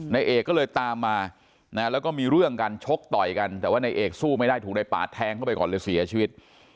นายเอกก็เลยตามมานะแล้วก็มีเรื่องกันชกต่อยกันแต่ว่านายเอกสู้ไม่ได้ถูกในปาดแทงเข้าไปก่อนเลยเสียชีวิต